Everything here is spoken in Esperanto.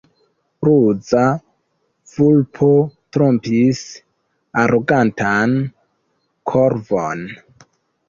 Ruza vulpo trompis arogantan korvon.